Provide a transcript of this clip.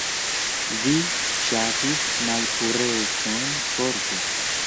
Vi ŝatis malpurecon forte.